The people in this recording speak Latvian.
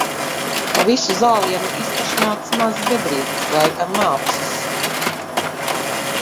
Pa visu zālienu izkašņātas mazas bedrītes - laikam āpsis.